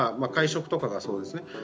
会食とかがそうですね。